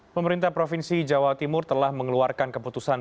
pemerintah provinsi jawa timur telah mengeluarkan keputusan